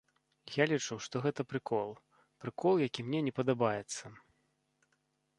Я лічу, што гэта прыкол, прыкол, які мне не падабаецца.